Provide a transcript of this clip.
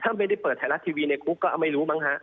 ถ้าไม่ได้เปิดไทยรัฐทีวีในคุกก็ไม่รู้มั้งฮะ